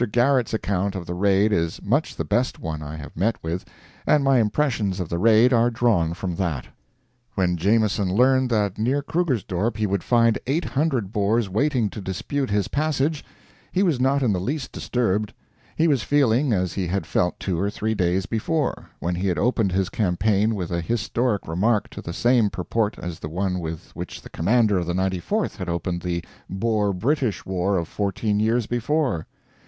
Garrett's account of the Raid is much the best one I have met with, and my impressions of the Raid are drawn from that. When Jameson learned that near Krugersdorp he would find 800 Boers waiting to dispute his passage, he was not in the least disturbed. He was feeling as he had felt two or three days before, when he had opened his campaign with a historic remark to the same purport as the one with which the commander of the 94th had opened the Boer British war of fourteen years before.